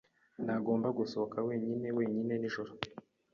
Ntagomba gusohoka wenyine wenyine nijoro.